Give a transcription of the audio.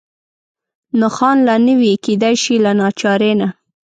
نښان لا نه وي، کېدای شي له ناچارۍ نه.